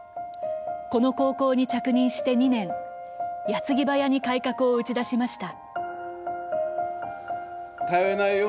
この高校に着任して２年やつぎばやに改革を打ち出しました。